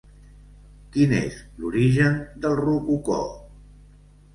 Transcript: Quin és l'origen del rococó?